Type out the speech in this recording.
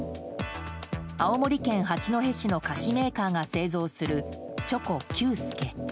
青森県八戸市の菓子メーカーが販売する、チョコＱ助。